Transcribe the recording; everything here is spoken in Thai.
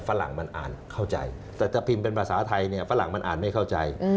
ฝรั่งมันอ่านเข้าใจแต่ถ้าพิมพ์เป็นภาษาไทยเนี่ยฝรั่งมันอ่านไม่เข้าใจ